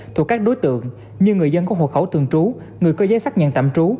thuộc các đối tượng như người dân có hộ khẩu thường trú người có giấy xác nhận tạm trú